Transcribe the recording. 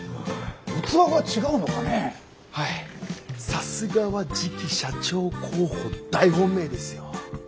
さすがは次期社長候補大本命ですよ。